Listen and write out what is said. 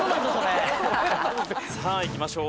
さあいきましょう。